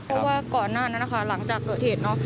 เพราะว่าก่อนหน้านั้นนะคะหลังจากเกิดเหตุเนอะ